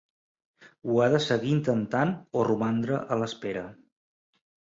Ho ha de seguir intentat o romandre a l'espera.